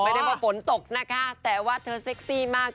ไม่ได้ว่าฝนตกนะคะแต่ว่าเธอเซ็กซี่มาก